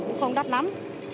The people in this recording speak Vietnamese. cũng không đắt lắm